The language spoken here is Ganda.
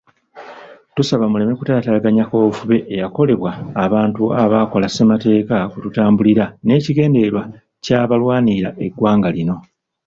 Tusaba muleme kutaataganya kaweefube eyakolebwa abantu abaakola ssemateeka kwe tutambulira n'ekigendererwa ky'abalwanirira eggwanga lino.